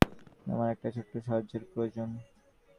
আমার একটা ছোট্ট সাহায্যের প্রয়োজন।